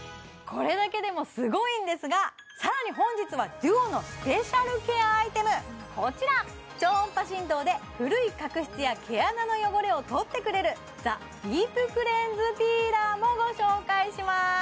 これだけでもすごいんですがさらに本日はＤＵＯのスペシャルケアアイテムこちら超音波振動で古い角質や毛穴の汚れをとってくれるザディープクレンズピーラーもご紹介しまーす